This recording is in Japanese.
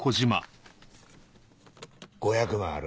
５００万ある。